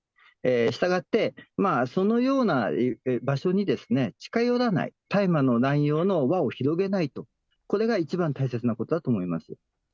したがって、そのような場所に近寄らない、大麻の乱用の輪を広げないと、これが一番大切なことだと思います。